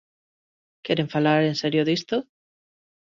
¿Queren falar en serio disto?